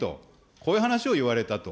こういう話を言われたと。